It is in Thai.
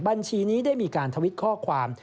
บัญชีนี้ได้มีการทวิตข้อความ